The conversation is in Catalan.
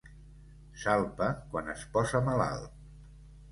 Salpa quan es posa malalt.